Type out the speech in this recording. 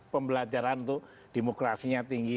pembelajaran itu demokrasinya tinggi